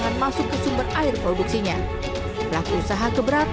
setidaknya perusahaan yang diperlukan di bumn adalah perusahaan yang berharga